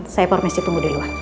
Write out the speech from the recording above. saya formasi tunggu di luar